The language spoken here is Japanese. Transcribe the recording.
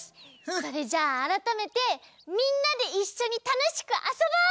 それじゃああらためてみんなでいっしょにたのしくあそぼう！